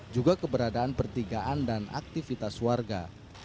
juga keberadaan pertigaan dan aktivitas warga